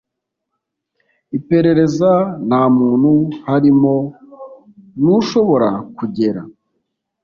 Iperereza nta muntu harimo n ushobora kugera